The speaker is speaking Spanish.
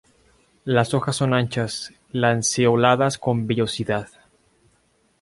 Las hojas son anchas, lanceoladas con vellosidad.